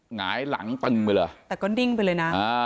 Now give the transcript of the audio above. หงายหลังตึงไปเลยแต่ก็ดิ้งไปเลยนะ